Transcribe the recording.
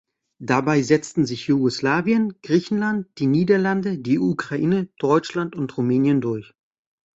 Dabei setzten sich Jugoslawien, Griechenland, die Niederlande, die Ukraine, Deutschland und Rumänien durch.